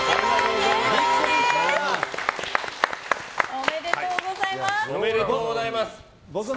おめでとうございます！